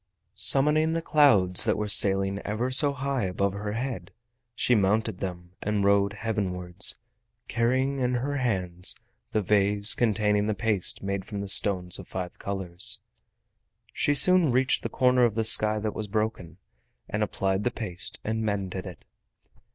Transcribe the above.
Summoning the clouds that were sailing ever so high above her head, she mounted them, and rode heavenwards, carrying in her hands the vase containing the paste made from the stones of five colors. She soon reached the corner of the sky that was broken, and applied the paste and mended it.